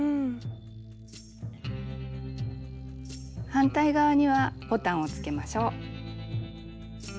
反対側にはボタンをつけましょう。